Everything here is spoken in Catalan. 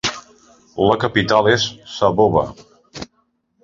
La capital és Saboba.